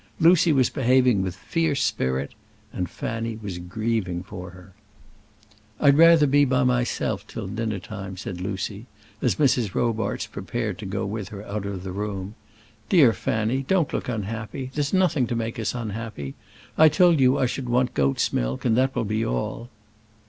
Lucy was behaving with fierce spirit, and Fanny was grieving for her. "I'd rather be by myself till dinner time," said Lucy, as Mrs. Robarts prepared to go with her out of the room. "Dear Fanny, don't look unhappy; there's nothing to make us unhappy. I told you I should want goat's milk, and that will be all."